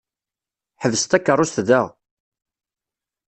Ḥbes takeṛṛust da!